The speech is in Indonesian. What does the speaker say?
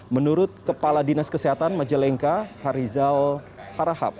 menurut kepala dinas kesehatan majalengka harizal harahap